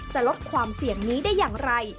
จะลดความเสี่ยงนี้ได้อย่างไร